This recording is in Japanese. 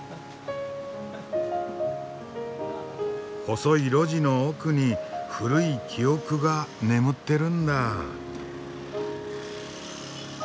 細い路地の奥に古い記憶が眠ってるんだ。